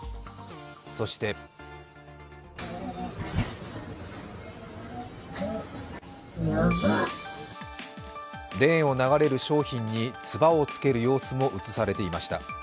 そしてレーンを流れる商品につばをつける様子も映されていました。